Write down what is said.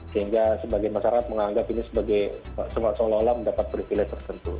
sehingga sebagian masyarakat menganggap ini sebagai seorang seorang lelah mendapat privilege tertentu